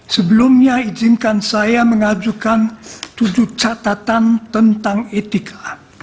sebelumnya saya ingin mengajukan tujuh catatan tentang etika